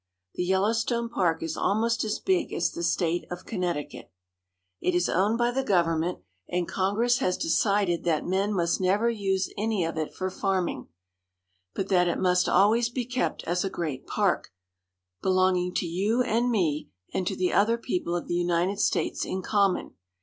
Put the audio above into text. The Yellowstone Park is almost as big as the state of Connecticut. It is owned View in Yellowstone Park. THE HOT SPRINGS. 285 by the government, and Congress has decided that men must never use any of it for farming, but that it must always be kept as a great park, belonging to you and me and to the other people of the United States in common.